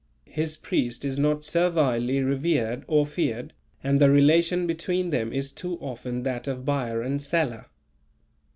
His priest is not servilely revered or feared, and the relation between them is too often that of buyer and seller.